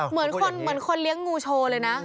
เหมือนคนเลี้ยงงูโชว์เลยนะ